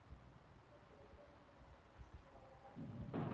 سیده درېدل : که چېرې تاسې سیده ولاړ اوسئ